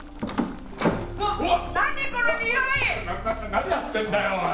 何やってんだよおい！